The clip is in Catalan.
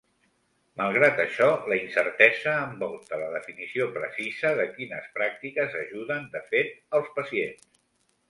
Malgrat això, la incertesa envolta la definició precisa de quines pràctiques ajuden de fet als pacients.